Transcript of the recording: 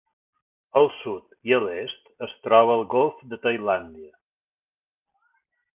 Al sud i a l'est es troba el golf de Tailàndia.